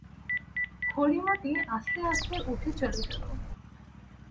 হরিমতি আস্তে আস্তে উঠে চলে গেল।